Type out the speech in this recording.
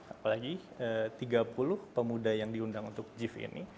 apalagi tiga puluh pemuda yang diundang untuk jif ini